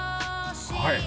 はい！